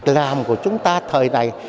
làm của chúng ta